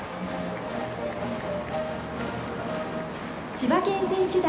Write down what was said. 千葉県選手団。